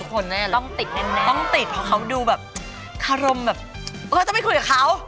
ก็อยากเหมือนกันแหละ